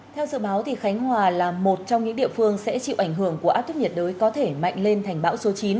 theo dự báo khánh hòa là một trong những địa phương sẽ chịu ảnh hưởng của áp thấp nhiệt đới có thể mạnh lên thành bão số chín